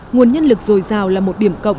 nguồn nhân lực dồi dào là một điểm cộng